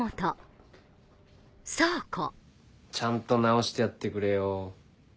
ちゃんと直してやってくれよ。